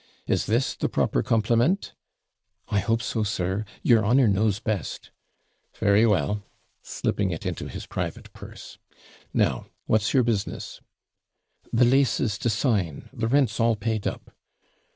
'Is this the proper compliment?' 'I hope so, sir; your honour knows best.' 'Very well,' slipping it into his private purse. 'Now, what's your business?' 'The LASES to sign the rent's all paid up.'